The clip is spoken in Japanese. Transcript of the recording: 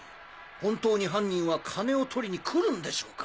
本当に犯人は金を取りに来るんでしょうか？